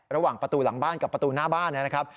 ระหว่างประตูหลังบ้านกับประตูหน้าบ้านนะครับ